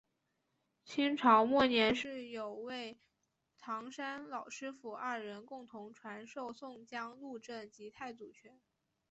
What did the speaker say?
清朝末年是有位唐山老师父二人共同传授宋江鹿阵及太祖拳。